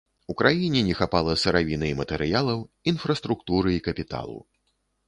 У краіне не хапала сыравіны і матэрыялаў, інфраструктуры і капіталу.